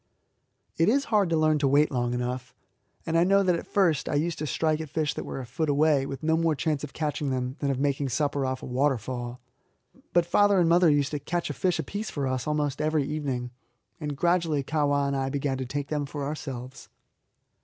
It is hard to learn to wait long enough, and I know that at first I used to strike at fish that were a foot away, with no more chance of catching them than of making supper off a waterfall. But father and mother used to catch a fish apiece for us almost every evening, and gradually Kahwa and I began to take them for ourselves.